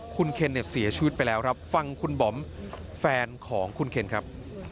คุณเคนเนี่ยเสียชีวิตไปแล้วครับฟังคุณบอมแฟนของคุณเคนครับ